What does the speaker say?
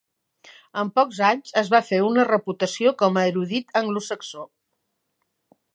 En pocs anys es va fer una reputació com a erudit anglosaxó.